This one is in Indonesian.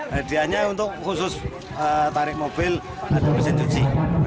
hadiahnya untuk khusus tarik mobil ada mesin cuci